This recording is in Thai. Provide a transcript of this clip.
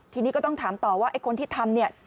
ทีนี้ก็ต้องถามต่อว่าคนที่ทำ